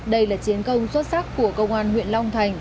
đây là chiến công xuất sắc của công an huyện long thành